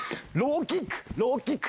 ローキック！